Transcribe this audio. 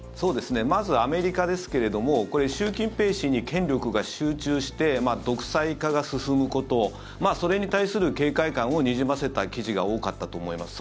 まずアメリカですけれども習近平氏に権力が集中して独裁化が進むことそれに対する警戒感をにじませた記事が多かったと思います。